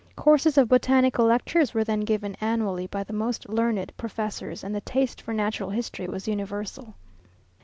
Courses of botanical lectures were then given annually by the most learned professors, and the taste for natural history was universal.